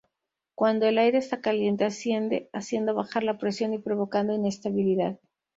Cuando el aire está caliente, asciende, haciendo bajar la presión y provocando inestabilidad.